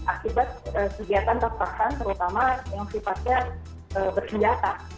akibat kegiatan tambahan terutama yang sifatnya bersenjata